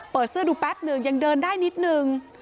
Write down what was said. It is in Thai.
เปิดเสื้อดูแป๊บหนึ่งยังเดินได้นิดนึง